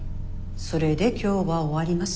それで今日は終わります。